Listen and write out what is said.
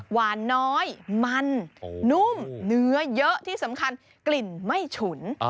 หวานน้อยมันนุ่มเนื้อเยอะที่สำคัญกลิ่นไม่ฉุน